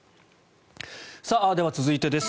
では、続いてです。